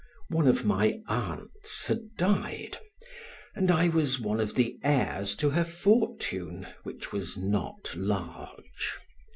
One of my aunts had died and I was one of the heirs to her fortune, which was not large.